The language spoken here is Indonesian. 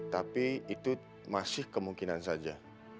tapi itu masih kemungkinan saja